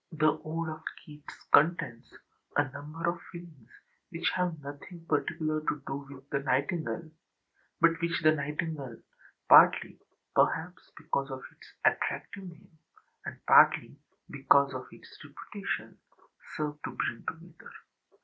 The ode of Keats contains a number of feelings which have nothing particular to do with the nightingale, but which the nightingale, partly, perhaps, because of its attractive name, and partly because of its reputation, served to bring together.